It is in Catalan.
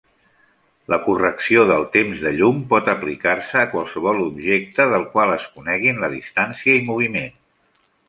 La correcció del temps de llum pot aplicar-se a qualsevol objecte del qual es coneguin la distància i moviment.